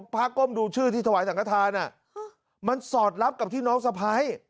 ผ้าก้มดูชื่อที่ถวายสังฆฐานมันสอดรับกับที่น้องสะพ้าย